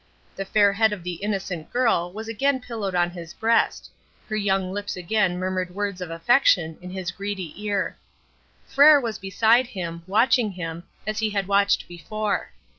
The fair head of the innocent girl was again pillowed on his breast; her young lips again murmured words of affection in his greedy ear. Frere was beside him, watching him, as he had watched before.